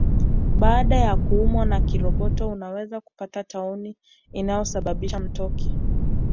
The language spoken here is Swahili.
Baada ya kuumwa na kiroboto unaweza kupata tauni inayosababisha mtoki